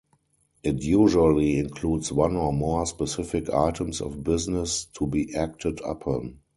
It usually includes one or more specific items of business to be acted upon.